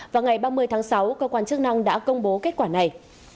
vào ngày ba mươi tháng sáu cơ quan chức năng đã công bố kết quả này